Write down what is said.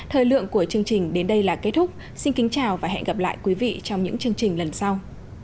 thời lượng của chương trình đến đây là kết thúc xin kính chào và hẹn gặp lại quý vị trong những chương trình lần sau